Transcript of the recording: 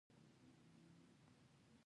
وزې خپل بچیان د بوی له مخې پېژني